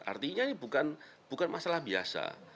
artinya ini bukan masalah biasa